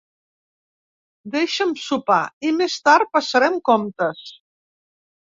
Deixa'm sopar i més tard passarem comptes.